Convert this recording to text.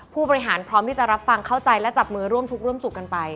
ผู้บริหารพร้อมที่จะรับฟังเข้าใจและจับมือร่วมทุกข์ร่วมสุขกันไป